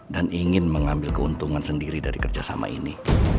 ingin mengambil keuntungan sendiri dari kerjasama ini